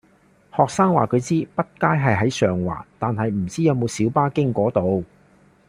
學生話佢知畢街係喺上環，但係唔知有冇小巴經嗰度